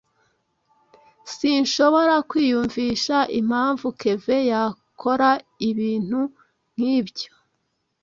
Sinshobora kwiyumvisha impamvu Kevin yakora ibintu nkibyo.